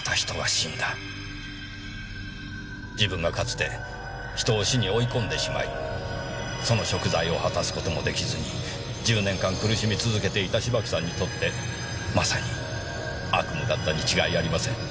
自分がかつて人を死に追い込んでしまいその贖罪を果たす事もできずに１０年間苦しみ続けていた芝木さんにとってまさに悪夢だったに違いありません。